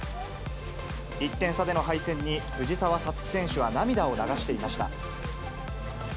１点差での敗戦に、藤澤五月選手は涙を流していました。